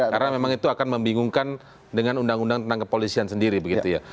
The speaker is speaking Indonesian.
karena memang itu akan membingungkan dengan undang undang tentang kepolisian sendiri begitu ya